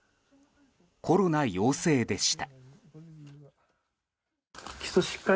コロナ陽性でした。